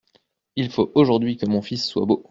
Il faut aujourd’hui que mon fils soit beau.